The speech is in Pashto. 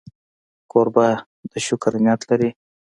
کوربه د شکر نیت لري.